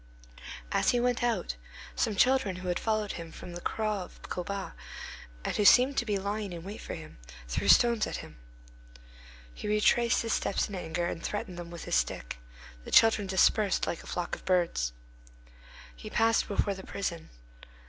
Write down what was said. As he went out, some children who had followed him from the Cross of Colbas, and who seemed to be lying in wait for him, threw stones at him. He retraced his steps in anger, and threatened them with his stick: the children dispersed like a flock of birds. He passed before the prison.